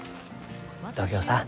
東京さん